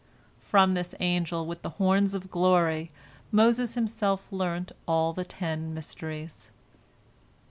From this angel with the horns of glory Moses himself learnt all the ten mysteries."